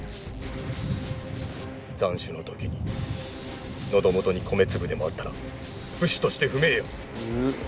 斬首のときに喉元に米粒でもあったら武士として不名誉。